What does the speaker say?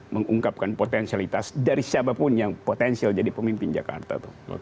mengungkapkan potensialitas dari siapapun yang potensial jadi pemimpin jakarta